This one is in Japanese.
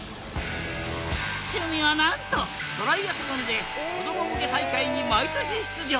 趣味はなんとトライアスロンで子ども向け大会に毎年出場。